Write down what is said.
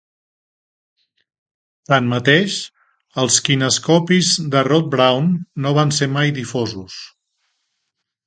Tanmateix, els kinescopis de Rod Brown no van ser mai difosos.